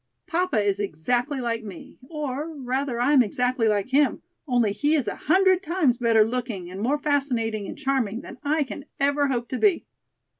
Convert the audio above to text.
Papa is exactly like me, or, rather, I am exactly like him, only he is a hundred times better looking and more fascinating and charming than I can ever hope to be."